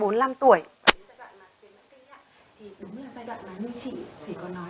và đến giai đoạn mà tiến bản kinh ạ thì đúng là giai đoạn mà như chị thì có nói